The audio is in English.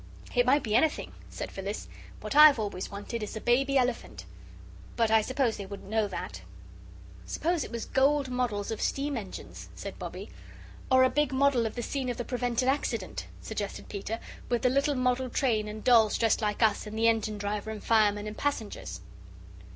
"It might be anything," said Phyllis; "what I've always wanted is a Baby elephant but I suppose they wouldn't know that." "Suppose it was gold models of steam engines?" said Bobbie. "Or a big model of the scene of the prevented accident," suggested Peter, "with a little model train, and dolls dressed like us and the engine driver and fireman and passengers."